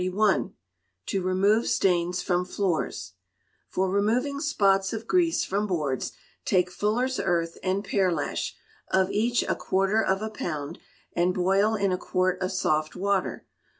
431. To remove Stains from Floors. For removing spots of grease from boards, take fuller's earth and pearlash, of each a quarter of a pound, and boil in a quart of soft water.